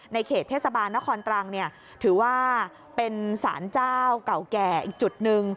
เขตเทศบาลนครตรังเนี่ยถือว่าเป็นสารเจ้าเก่าแก่อีกจุดหนึ่ง